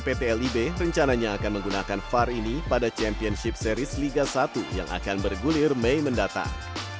pt lib rencananya akan menggunakan var ini pada championship series liga satu yang akan bergulir mei mendatang